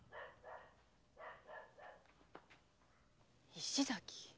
「石崎」